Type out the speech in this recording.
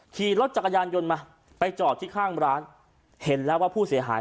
ขี่รถจักรยานยนต์มาไปจอดที่ข้างร้านเห็นแล้วว่าผู้เสียหาย